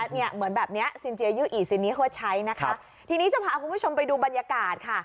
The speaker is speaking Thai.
เนี่ยเหมือนแบบเนี้ยสินเจยุอีสินเนียฮัวชัยนะครับทีนี้จะพาคุณผู้ชมไปดูบรรยากาศค่ะ